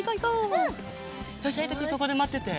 よしえいとくんそこでまってて。